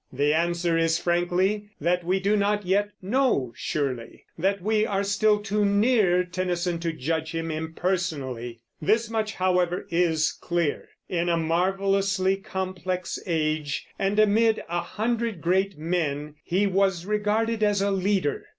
The answer is, frankly, that we do not yet know surely; that we are still too near Tennyson to judge him impersonally. This much, however, is clear. In a marvelously complex age, and amid a hundred great men, he was regarded as a leader.